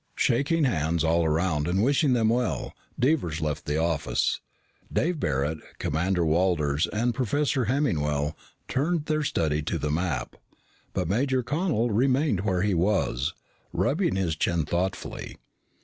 Shaking hands all around and wishing them well, Devers left the office. Dave Barret, Commander Walters, and Professor Hemmingwell turned to their study of the map, but Major Connel remained where he was, rubbing his chin thoughtfully.